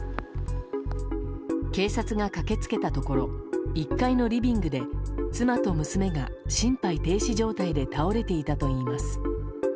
警察が駆け付けたところ１階のリビングで妻と娘が心肺停止状態で倒れていたといいます。